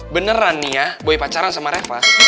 beneran nih ya boy pacaran sama reva